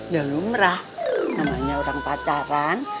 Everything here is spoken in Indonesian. dah lu merah namanya orang pacaran